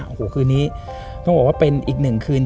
โอ้โหคืนนี้ต้องบอกว่าเป็นอีกหนึ่งคืน